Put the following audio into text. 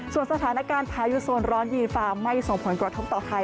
ส่วนสถานการณ์พายุโซนร้อนยูฟาร์ไม่ส่งผลกระทบต่อไทย